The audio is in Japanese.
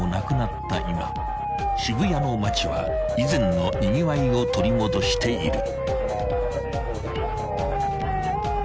今渋谷の街は以前のにぎわいを取り戻している］